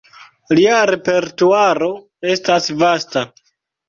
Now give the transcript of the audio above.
Lia repertuaro estas vasta.